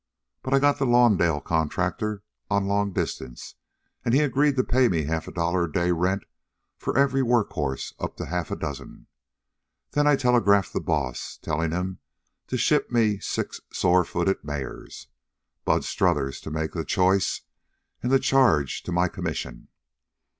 But I got the Lawndale contractor on long distance, and he agreed to pay me half a dollar a day rent for every work horse up to half a dozen. Then I telegraphed the Boss, tellin' him to ship me six sore footed mares, Bud Strothers to make the choice, an' to charge to my commission.